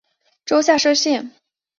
州下设县。